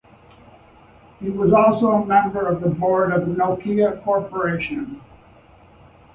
He was also a member of the board of Nokia Corporation.